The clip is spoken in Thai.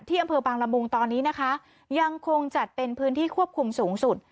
อำเภอบางละมุงตอนนี้นะคะยังคงจัดเป็นพื้นที่ควบคุมสูงสุด